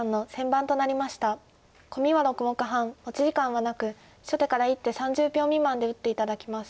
コミは６目半持ち時間はなく初手から１手３０秒未満で打って頂きます。